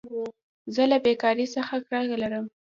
زه له بېکارۍ څخه کرکه لرم.